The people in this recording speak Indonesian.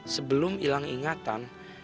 sebelum hilang ingatan